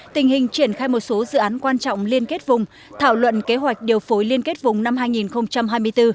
tình hình triển khai một số dự án quan trọng liên kết vùng thảo luận kế hoạch điều phối liên kết vùng năm hai nghìn hai mươi bốn